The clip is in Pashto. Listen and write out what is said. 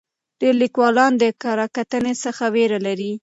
ډېر لیکوالان د کره کتنې څخه ویره لري.